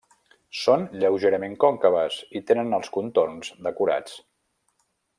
Són lleugerament còncaves i tenen els contorns decorats.